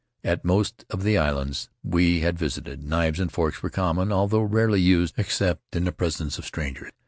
At most of the islands we had visited, knives and forks were common, although rarely used except in the presence of strangers.